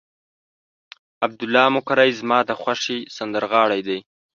عبدالله مقری زما د خوښې سندرغاړی دی.